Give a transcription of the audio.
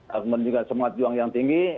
kemudian juga semangat juang yang tinggi